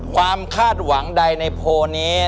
คาดหวังใดในโพลนี้